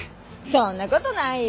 そんな事ないよ。